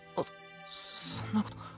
そそんなこと。